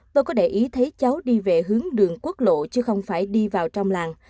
tôi có để ý thấy cháu đi về hướng đường quốc lộ chứ không phải đi vào trong làng